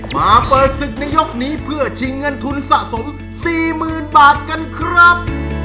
มาเปิดศึกในยกนี้เพื่อชิงเงินทุนสะสม๔๐๐๐บาทกันครับ